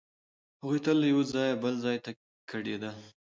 هغوی تل له یوه ځایه بل ځای ته کډېدل.